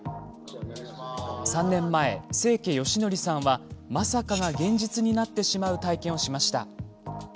３年前、清家芳徳さんはまさかが現実になってしまう体験をしました。